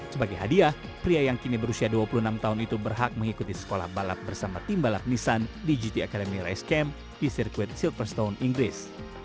sebagai hadiah pria yang kini berusia dua puluh enam tahun itu berhak mengikuti sekolah balap bersama tim balap nissan di gt academy rice camp di sirkuit silverstone inggris